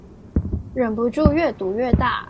忍不住越賭越大